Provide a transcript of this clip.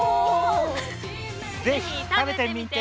是非食べてみて。